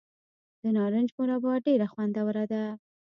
د نارنج مربا ډیره خوندوره ده.